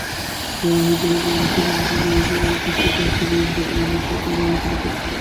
জেনেভায় বিদ্রোহীরা চাইছেন সিরিয়ার প্রেসিডেন্ট বাশার আল-আসাদকে সরিয়ে অন্তর্বর্তীকালীন সরকার নিয়ে আলোচনা করতে।